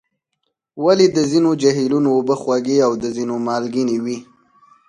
ولې د ځینو جهیلونو اوبه خوږې او د ځینو مالګینې وي؟